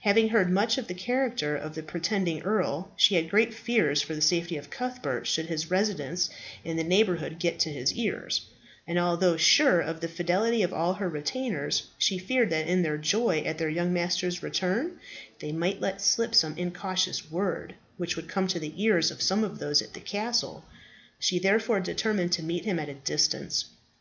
Having heard much of the character of the pretending earl, she had great fears for the safety of Cuthbert, should his residence in the neighbourhood get to his ears; and although sure of the fidelity of all her retainers, she feared that in their joy at their young master's return they might let slip some incautious word which would come to the ears of some of those at the castle. She therefore determined to meet him at a distance.